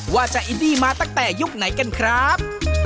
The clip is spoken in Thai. ว่าจะอินดี้มาตั้งแต่ยุคไหนกันครับ